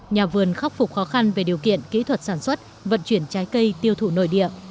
nhà vườn khắc phục khó khăn về điều kiện kỹ thuật sản xuất vận chuyển trái cây tiêu thụ nội địa